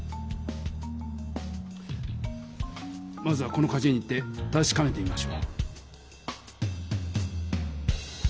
まずはこのかじゅ園に行ってたしかめてみましょう。